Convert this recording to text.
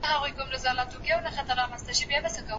خپل بدن په سم ډول حرکت ورکړئ.